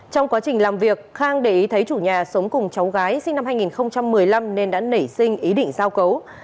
trong quá trình làm việc khang để ý thấy chủ nhà sống cùng cháu gái sinh năm hai nghìn một mươi năm nên đã nảy sinh ý định giao cấu